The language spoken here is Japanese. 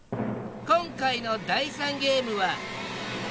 今回の第３ゲームは。